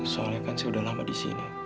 soalnya kan saya udah lama disini